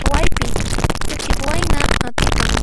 Phawaypi k'uchi wayna atipan.